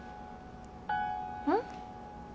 うん？